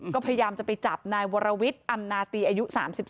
ก็พยายามจะไปจับนายวรวิทย์อำนาตีอายุ๓๒